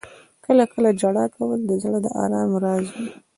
• کله کله ژړا کول د زړه د آرام راز وي.